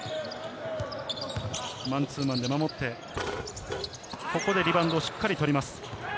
マンツーマンで守って、ここでリバウンドをしっかり取ります。